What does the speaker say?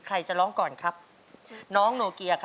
ใครจะร้องก่อนครับน้องโนเกียครับ